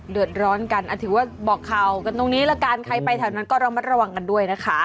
เดือดร้อนกันถือว่าบอกข่าวกันตรงนี้ละกันใครไปแถวนั้นก็ระมัดระวังกันด้วยนะคะ